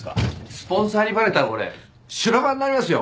スポンサーにバレたらこれ修羅場になりますよ。